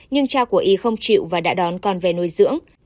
nhưng cha của y không chịu và đã đón con về nuôi dưỡng